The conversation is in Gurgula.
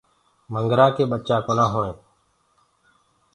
وآڳوُآ ڪي ٻچآ ڪونآ هووينٚ۔